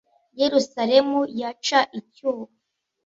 i yerusalemu y aca icyuho